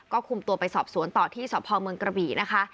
ก็คุมตัวไปสอบสวนต่อที่สพเมืองกระบี่นะคะ